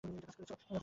এটা কাজ করেছে!